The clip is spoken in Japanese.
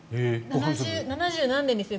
７０何年ですよね。